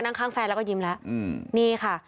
นั่งข้างแฟนแล้วก็ยิ้มแล้วนี่ค่ะ